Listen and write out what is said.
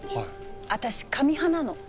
私紙派なの。